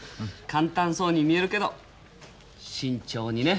簡単そうに見えるけど慎重にね。